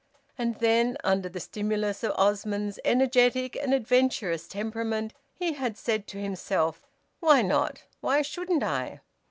And then, under the stimulus of Osmond's energetic and adventurous temperament, he had said to himself, "Why not? Why shouldn't I?"